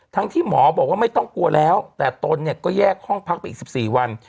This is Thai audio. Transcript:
ที่หมอบอกว่าไม่ต้องกลัวแล้วแต่ตนเนี่ยก็แยกห้องพักไปอีก๑๔วัน